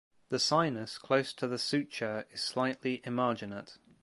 The sinus close to the suture is slightly emarginate.